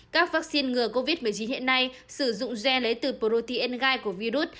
các vaccine ngừa covid một mươi chín hiện nay sử dụng gen lấy từ protein gai của virus